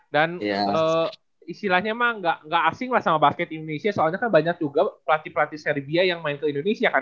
dan istilahnya emang gak asing lah sama basket indonesia soalnya kan banyak juga pelatih pelatih serbia yang main ke indonesia kan